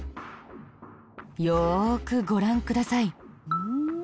よくご覧ください。